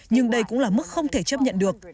nhưng đây cũng là mức không thể chấp nhận được